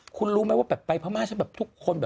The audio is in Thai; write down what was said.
คุณรู้ไหมว่าไปพระม่าฉันแบบทุกคน